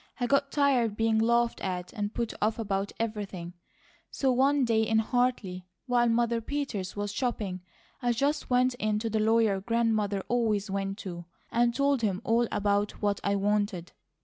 I got tired being laughed at, and put off about everything, so one day in Hartley, while Mother Peters was shopping, I just went in to the lawyer Grandmother always went to, and told him all about what I wanted.